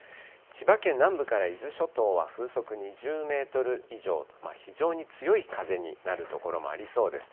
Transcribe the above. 千葉県南部から伊豆諸島は風速２０メートル以上と、非常に強い風になる所もありそうです。